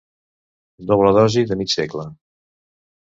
Doble dosi de mig segle.